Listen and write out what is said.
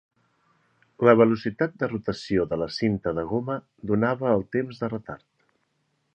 La velocitat de rotació de la cinta de goma donava el temps de retard.